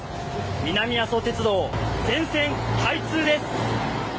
南阿蘇鉄道、全線開通です。